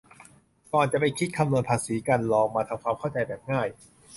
ก่อนจะไปคิดคำนวณภาษีกันลองมาทำความเข้าใจแบบง่าย